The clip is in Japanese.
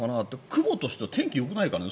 雲として、天気よくないからね。